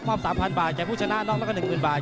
พร้อม๓๐๐๐บาทใหญ่ผู้ชนะนอกละก็๑๐๐๐๐บาท